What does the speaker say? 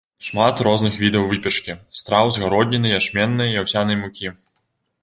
Шмат розных відаў выпечкі, страў з гародніны, ячменнай і аўсянай мукі.